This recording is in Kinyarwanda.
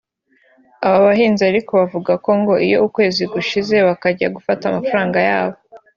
Aba bahinzi ariko bavuga ko ngo iyo ukwezi gushize bakajya gufata amafaranga yabo